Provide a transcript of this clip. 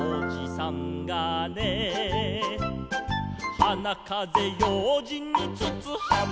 「はなかぜようじんにつつはめた」